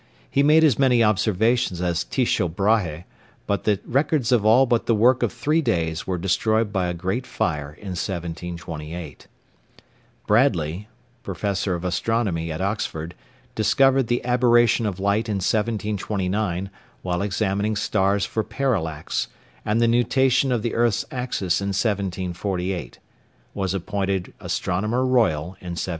He made as many observations as Tycho Brahé, but the records of all but the work of three days were destroyed by a great fire in 1728. Bradley, Professor of Astronomy at Oxford, discovered the aberration of light in 1729, while examining stars for parallax, and the nutation of the earth's axis in 1748. Was appointed Astronomer Royal in 1742.